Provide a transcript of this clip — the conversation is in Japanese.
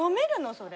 それ。